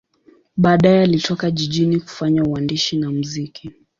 Baadaye alitoka jijini kufanya uandishi na muziki.